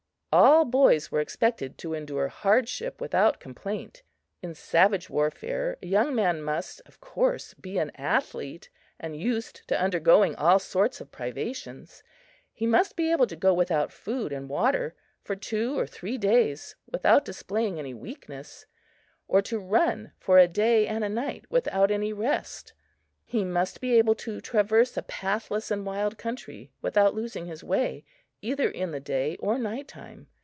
All boys were expected to endure hardship without complaint. In savage warfare, a young man must, of course, be an athlete and used to undergoing all sorts of privations. He must be able to go without food and water for two or three days without displaying any weakness, or to run for a day and a night without any rest. He must be able to traverse a pathless and wild country without losing his way either in the day or night time.